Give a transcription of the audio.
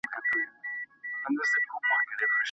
د رول ماډل لرل د هویت په جوړولو کي اړین دي.